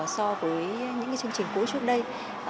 so với những chương trình cũ trước đây